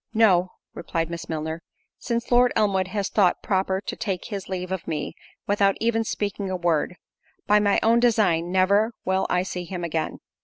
"No;" replied Miss Milner, "since Lord Elmwood has thought proper to take his leave of me, without even speaking a word; by my own design, never will I see him again."